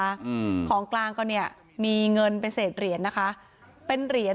อืมของกลางก็เนี้ยมีเงินเป็นเศษเหรียญนะคะเป็นเหรียญ